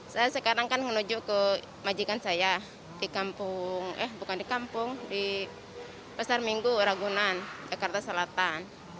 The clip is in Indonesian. saya sekarang kan menuju ke majikan saya di kampung eh bukan di kampung di pasar minggu ragunan jakarta selatan